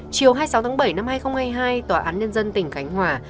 chiều hai mươi sáu tháng bảy năm hai nghìn hai mươi hai tòa án nhân dân tỉnh khánh hòa